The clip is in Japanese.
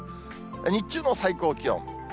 日中の最高気温。